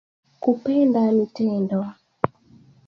Kupenda ni tendo